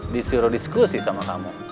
disuruh diskusi sama kamu